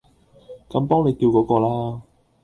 咁幫你叫嗰個啦